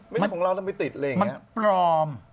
ไม่รู้ถึงเราทำไมติดอะไรอย่างนี้อ๋อมันปลอม